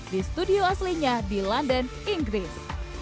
di studio aslinya di london inggris